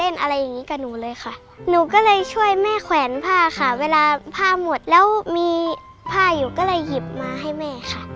ทั้งหมดแล้วมีผ้าอยู่ก็เลยหยิบมาให้แม่ค่ะ